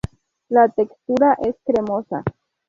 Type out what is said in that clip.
La textura es cremosa.